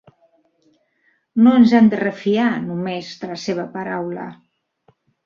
No ens hem de refiar, només, de la seva paraula.